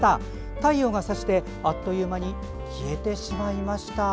太陽がさしてあっという間に消えてしまいました。